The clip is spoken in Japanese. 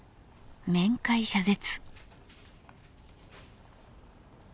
面会謝絶。